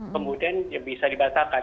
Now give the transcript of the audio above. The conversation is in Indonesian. kemudian bisa dibatalkan